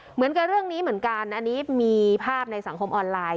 เหมือนกับเรื่องนี้เหมือนกันอันนี้มีภาพในสังคมออนไลน์